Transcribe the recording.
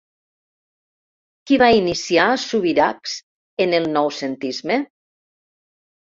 Qui va iniciar a Subirachs en el noucentisme?